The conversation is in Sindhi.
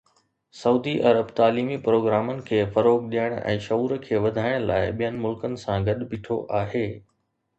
سعودي عرب تعليمي پروگرامن کي فروغ ڏيڻ ۽ شعور کي وڌائڻ لاء ٻين ملڪن سان گڏ بيٺو آهي